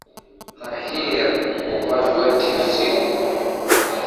Zahir huvaa koti usiku